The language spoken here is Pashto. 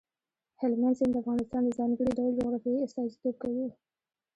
هلمند سیند د افغانستان د ځانګړي ډول جغرافیې استازیتوب کوي.